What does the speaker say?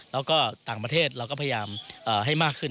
แล้วก็ต่างประเทศเราก็พยายามให้มากขึ้น